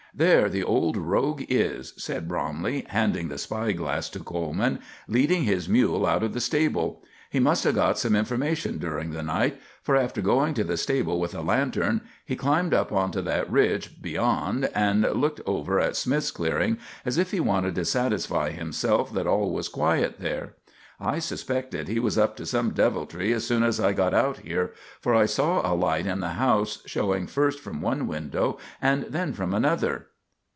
"There the old rogue is," said Bromley, handing the spy glass to Coleman, "leading his mule out of the stable. He must have got some information during the night, for, after going to the stable with a lantern, he climbed up on to that ridge beyond and looked over at Smith's clearing as if he wanted to satisfy himself that all was quiet there. I suspected he was up to some deviltry as soon as I got out here, for I saw a light in the house, showing first from one window and then from another.